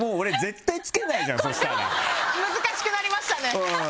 難しくなりましたね。